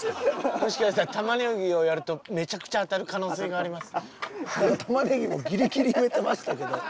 もしかしたらたまねぎをやるとめちゃくちゃ当たる可能性があります。